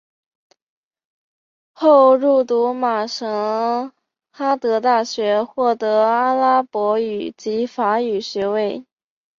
后入读马什哈德大学获阿拉伯语及法语学位。